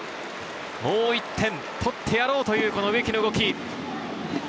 もう１点取ってやろうという植木の動き。